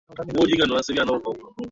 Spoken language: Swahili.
ni ya kupingana Katika enzi hii ya mpito